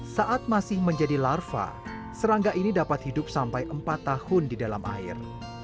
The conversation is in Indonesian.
saat masih menjadi larva serangga ini dapat hidup sampai empat tahun di dalam air